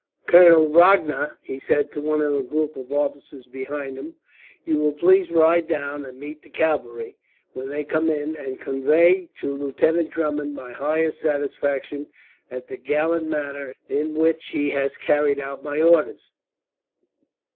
"Colonel Rogner," he said to one of the group of officers behind him, "you will please ride down and meet the cavalry, when they come in, and convey to Lieutenant Drummond my highest satisfaction at the gallant manner in which he has carried out my orders.